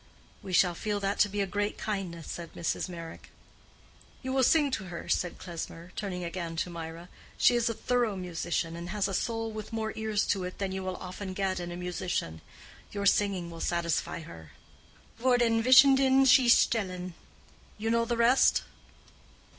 "We shall feel that to be a great kindness," said Mrs. Meyrick. "You will sing to her," said Klesmer, turning again to Mirah. "She is a thorough musician, and has a soul with more ears to it than you will often get in a musician. Your singing will satisfy her: 'Vor den Wissenden sich stellen;' you know the rest?"